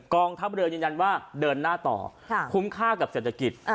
กองทัพเรือยืนยันว่าเดินหน้าต่อคุ้มค่ากับเศรษฐกิจ